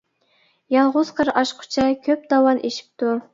يالغۇز قىر ئاشقۇچە، كۆپ داۋان ئېشىپتۇ.